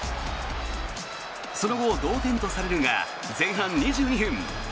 その後、同点とされるが前半２２分。